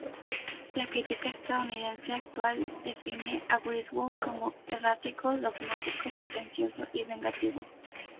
La crítica estadounidense actual define a Griswold como errático, dogmático, pretencioso y vengativo.